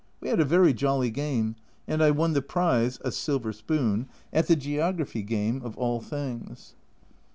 We had a very jolly time, and I won the prize (a silver spoon) at the Geography Game, of all things